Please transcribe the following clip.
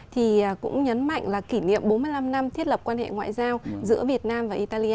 thì cũng nhấn mạnh là kỷ niệm bốn mươi năm năm thiết lập quan hệ ngoại giao giữa việt nam và italia